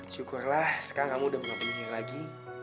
syukurlah sekarang kamu udah belum sihir lagi